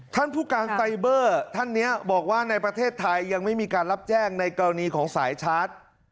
ท่านผู้การไซเบอร์ท่านนี้บอกว่าในประเทศไทยยังไม่มีการรับแจ้งในกรณีของสายชาร์จ